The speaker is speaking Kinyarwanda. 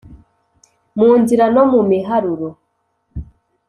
Mu nzira no mu miharuro